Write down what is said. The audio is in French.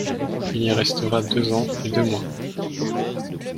Il y restera deux ans et deux mois.